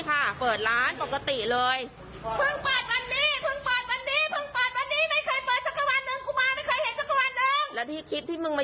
เราก็ทำร้ายกูทำไม